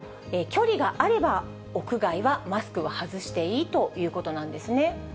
この場合は、会話があっても、距離があれば屋外はマスクは外していいということなんですね。